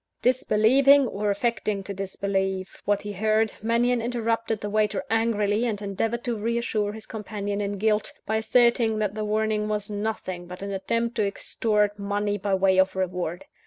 Disbelieving, or affecting to disbelieve, what he heard, Mannion interrupted the waiter angrily; and endeavoured to reassure his companion in guilt, by asserting that the warning was nothing but an attempt to extort money by way of reward.